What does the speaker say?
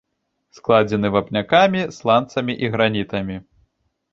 Складзены вапнякамі, сланцамі і гранітамі.